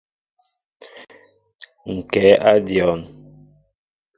Ŋ kɛ a dion.